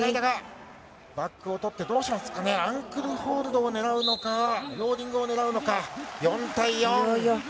アンクルホールドを狙うのかローリングを狙うのか４対４。